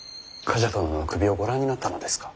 冠者殿の首をご覧になったのですか？